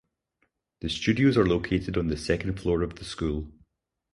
The studios are located on the second floor of the school.